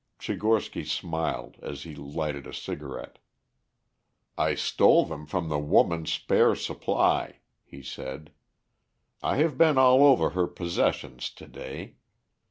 Tchigorsky smiled as he lighted a cigarette. "I stole them from the woman's spare supply," he said. "I have been all over her possessions to day.